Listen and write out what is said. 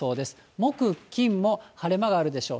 木、金も晴れ間があるでしょう。